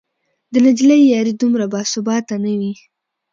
د نجلۍ یاري دومره باثباته نه وي